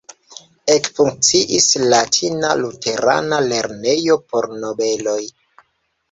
Ekfunkciis latina luterana lernejo por nobeloj.